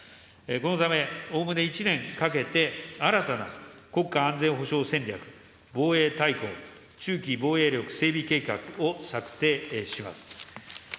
このためおおむね１年かけて、新たな国家安全保障戦略、防衛大綱、中期防衛力整備計画を策定します。